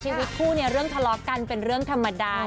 ชีวิตคู่เนี่ยเรื่องทะเลาะกันเป็นเรื่องธรรมดา